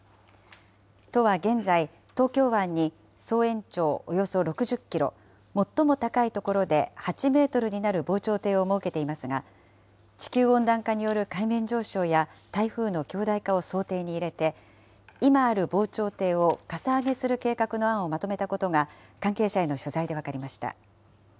都は現在、東京湾に総延長およそ６０キロ、最も高い所で８メートルになる防潮堤を設けていますが、地球温暖化による海面上昇や台風の強大化を想定に入れて、今ある防潮堤をかさ上げする計画の案をまとめたことが関係者への取材で分かりました。